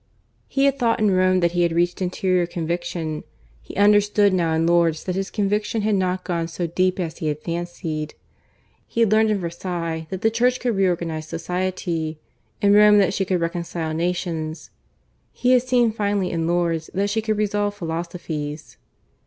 He had thought in Rome that he had reached interior conviction; he understood now in Lourdes that his conviction had not gone so deep as he had fancied. He had learned in Versailles that the Church could reorganize society, in Rome that she could reconcile nations; he had seen finally in Lourdes that she could resolve philosophies.